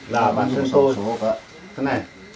là bản thân